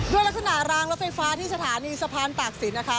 ด้วยลักษณะรางรถไฟฟ้าที่สถานีสะพานตากศิลปนะคะ